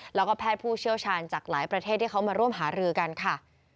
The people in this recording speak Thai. แล้วก็แพทย์ผู้เชี่ยวชาญจากหลายประเทศที่เขามาร่วมหารือกันค่ะ